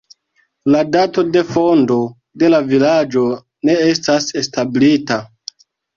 La dato de fondo de la vilaĝo ne estas establita.